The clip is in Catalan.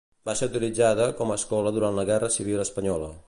Va ser utilitzada com a escola durant la guerra civil espanyola.